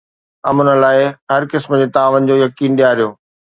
امن لاءِ هر قسم جي تعاون جو يقين ڏياريو